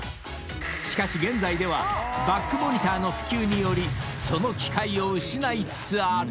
［しかし現在ではバックモニターの普及によりその機会を失いつつある］